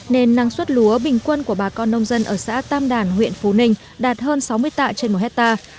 nên năng suất lúa bình quân của bà con nông dân ở xã tam đàn huyện phú ninh đạt hơn sáu mươi tạ trên một hectare